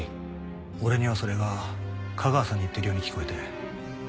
俺にはそれが架川さんに言ってるように聞こえて。